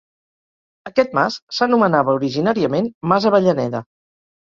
Aquest mas s'anomenava, originàriament, Mas Avellaneda.